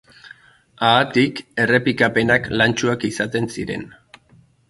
Haatik, errepikapenak lantsuak izaten ziren.